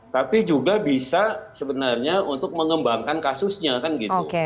tapi juga bisa sebenarnya untuk mengembangkan kasusnya kan gitu